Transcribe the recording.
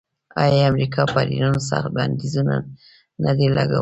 آیا امریکا پر ایران سخت بندیزونه نه دي لګولي؟